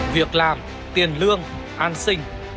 việc làm tiền lương an sinh